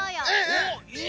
えっ？